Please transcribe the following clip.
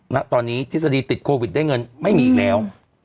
เนื้อณตอนนี้ทฤษฎีติดโควิดได้เงินมาไม่มีแล้ว